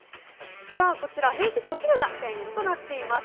こちら平日お昼が１０００円となっています。